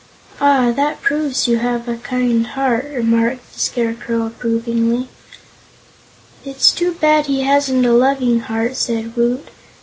"Ah; that proves you have a Kind heart," remarked the Scarecrow, approvingly. "It's too bad he hasn't a Loving Heart," said Woot.